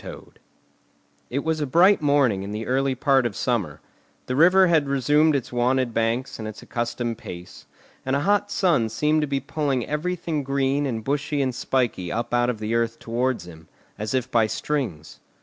TOAD It was a bright morning in the early part of summer; the river had resumed its wonted banks and its accustomed pace, and a hot sun seemed to be pulling everything green and bushy and spiky up out of the earth towards him, as if by strings.